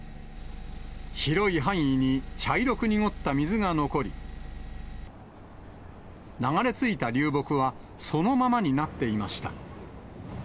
広い範囲に茶色く濁った水が残り、流れ着いた流木はそのままになっていました。